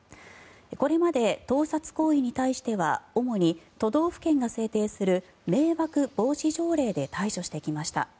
これまで盗撮行為に対しては主に都道府県が制定する迷惑防止条例で対処してきました。